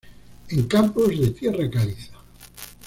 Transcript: En campos de tierra caliza.